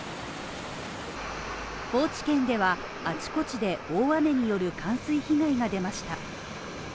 高知県では、あちこちで大雨による冠水被害が出ました。